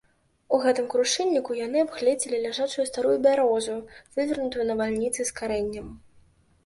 У гэтым крушынніку яны абгледзелі ляжачую старую бярозу, вывернутую навальніцай з карэннем.